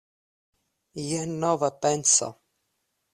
Jen nova penso!